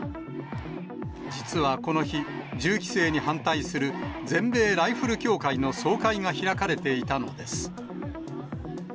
実はこの日、銃規制に反対する全米ライフル協会の総会が開かれていたのです。